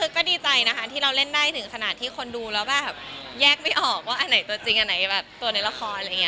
ก็ดีใจนะคะที่เราเล่นได้ถึงขนาดที่คนดูแล้วแยกไม่ออกว่าอันไหนตัวจริงอันไหนตัวในละคร